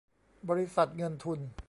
บริษัทเงินทุน